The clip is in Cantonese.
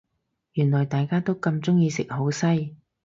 原來大家都咁鍾意食好西